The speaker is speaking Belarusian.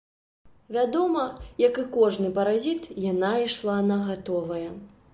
Вядома, як і кожны паразіт, яна ішла на гатовае.